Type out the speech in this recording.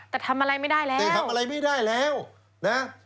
แต่ทำอะไรไม่ได้แล้วแต่ทำอะไรไม่ได้แล้วนะ